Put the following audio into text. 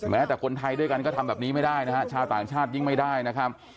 แต่คนไทยด้วยกันก็ทำแบบนี้ไม่ได้นะฮะชาวต่างชาติยิ่งไม่ได้นะครับ